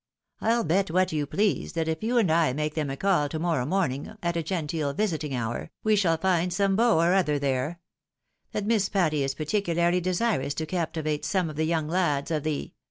I'll bet what you please, that if you and I make them a call to morrow morning, at a genteel visiting hour, we shall find some lemi or other there ; that Miss Patty is particularly desirous to captivate some of the young lads of the